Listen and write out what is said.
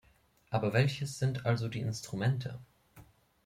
Aber welches sind also die Instrumente?